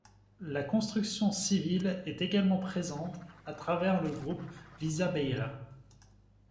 La construction civile est également présente, à travers le groupe Visabeira.